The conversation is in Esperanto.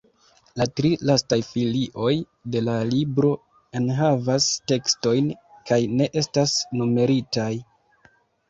La tri lastaj folioj de la libro enhavas tekstojn kaj ne estas numeritaj.